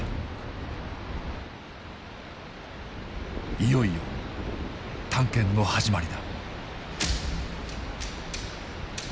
いよいよ探検の始まりだ。